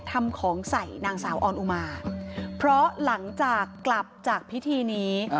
ทำของใส่นางสาวออนอุมาเพราะหลังจากกลับจากพิธีนี้